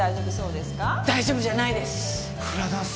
大丈夫じゃないです。